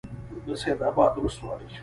د سید آباد ولسوالۍ